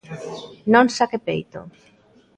Non saque peito.